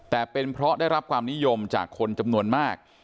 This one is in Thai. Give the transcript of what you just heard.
แต่เป็นเพราะได้รับความนิยมจากคนจำนวนมาก